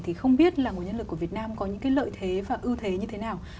thì không biết là nguồn nhân lực của việt nam có những cái lợi thế và ưu thế như thế nào